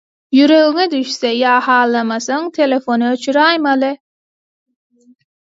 Ýüregiňe düşse ýa halamasaň telefony öçüräýmeli.